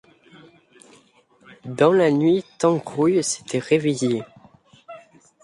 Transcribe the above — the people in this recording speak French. Dans la nuit Tangrouille s’était réveillé.